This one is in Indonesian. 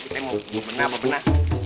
kita mau bebena bebena